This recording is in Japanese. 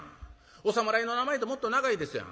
お侍の名前ってもっと長いですやん。